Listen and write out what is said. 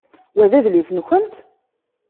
Wa d adlis-nkent?